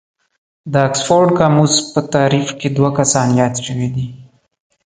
د اکسفورډ قاموس په تعريف کې دوه کسان ياد شوي دي.